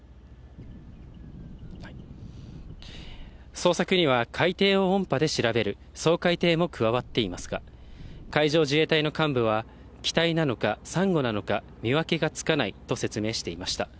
捜索には海底を音波で調べる掃海艇も加わっていますが、海上自衛隊の幹部は、機体なのかサンゴなのか、見分けがつかないと説明していました。